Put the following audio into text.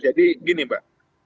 jadi gini mbak